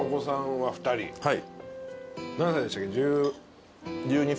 はい。